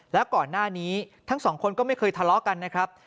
แล้วก่อนหน้านี้ทั้งสองคนก็ไม่เคยทะเลาะกันนะครับ